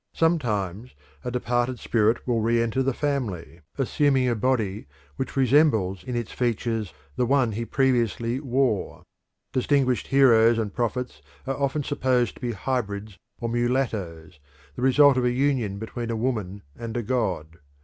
Sometimes a departed spirit will re enter the family, assuming a body which resembles in its features the one he previously wore. Distinguished heroes and prophets are often supposed to be hybrids or mulattoes, the result of a union between a woman and a god.